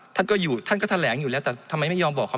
ท่านก็อยู่ท่านก็แถลงอยู่แล้วแต่ทำไมไม่ยอมบอกเขา